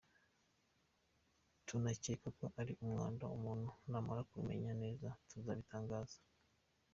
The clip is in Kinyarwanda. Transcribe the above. Tunakeka ko ari umwanda, umuntu namara kubimenya neza tuzabitangaza“.